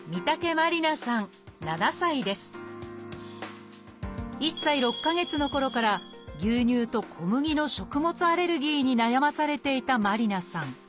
１歳６か月のころから牛乳と小麦の食物アレルギーに悩まされていた麻里凪さん。